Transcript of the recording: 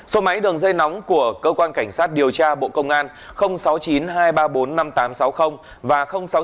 số máy đường dây nóng của cơ quan cảnh sát điều tra bộ công an sáu mươi chín hai trăm ba mươi bốn năm nghìn tám trăm sáu mươi và sáu mươi chín hai trăm ba mươi một một nghìn sáu trăm bảy